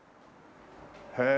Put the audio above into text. へえ。